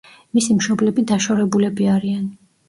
მისი მშობლები დაშორებულები არიან.